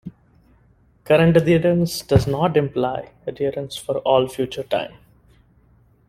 Current adherence does not imply adherence for all future time.